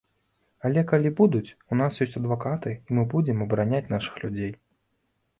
Але калі будуць, у нас ёсць адвакаты, і мы будзем абараняць нашых людзей.